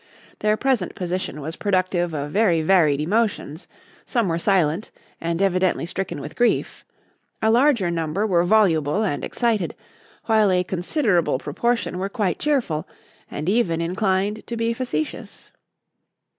Their present position was productive of very varied emotions; some were silent and evidently stricken with grief; a larger number were voluble and excited, while a considerable proportion were quite cheerful and even inclined to be facetious.